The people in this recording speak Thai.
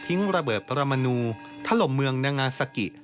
ทิ้งระเบิดประมณูทะลมเมืองนางาสักกิ